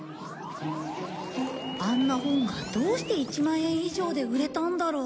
あんな本がどうして１万円以上で売れたんだろう？